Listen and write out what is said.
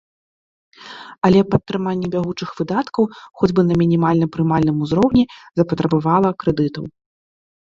Але падтрыманне бягучых выдаткаў хоць бы на мінімальна прымальным узроўні запатрабавала крэдытаў.